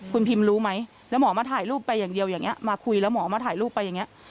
คุณพิมรู้ไหมแล้วหมอมาถ่ายรูปไปอย่างเดียวอย่างนี้มาคุยแล้วหมอมาถ่ายรูปไปอย่างนี้